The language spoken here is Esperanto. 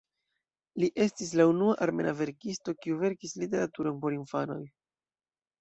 Li estis la unua armena verkisto kiu verkis literaturon por infanoj.